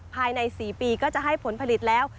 ภายใน๔ปีก็จะให้ผลผลิตแล้ว